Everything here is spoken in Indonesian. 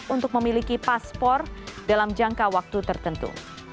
untuk memiliki paspor dalam jangka waktu tertentu